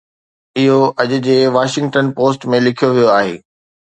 اهو اڄ جي واشنگٽن پوسٽ ۾ لکيو ويو آهي